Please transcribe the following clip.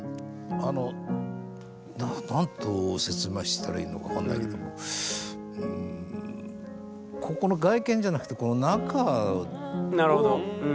あの何と説明したらいいのか分かんないけどもここの外見じゃなくてへえ。